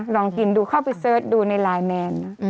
ลองกินดูเข้าไปเสิร์ชดูในไลน์แมนนะ